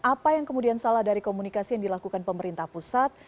apa yang kemudian salah dari komunikasi yang dilakukan pemerintah pusat